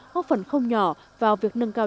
hoặc phần không nhỏ vào việc nâng cao